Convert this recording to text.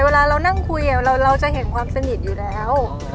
เวลาเรานั่งคุยเราจะเห็นความสนิทอยู่แล้ว